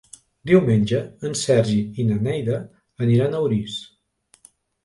Diumenge en Sergi i na Neida aniran a Orís.